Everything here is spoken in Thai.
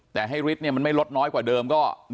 แต่ให้ฤทธิ์มันไม่ลดน้อยกว่าเดิม